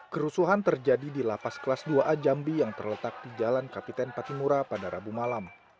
kerusuhan terjadi di lapas kelas dua a jambi yang terletak di jalan kapiten patimura pada rabu malam